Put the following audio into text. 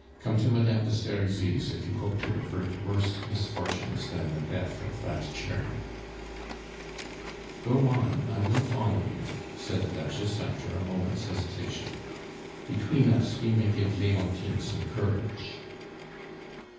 Come to Madame de Serizy's if you hope to avert worse misfortunes than the death of that cherub " "Go on, I will follow you," said the Duchess after a moment's hesitation. "Between us we may give Leontine some courage..."